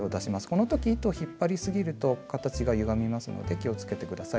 この時糸を引っ張りすぎると形がゆがみますので気をつけて下さい。